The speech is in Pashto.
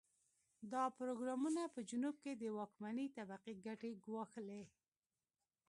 دا پروګرامونه په جنوب کې د واکمنې طبقې ګټې ګواښلې.